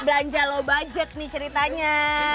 kan ini belanja low budget nih ceritanya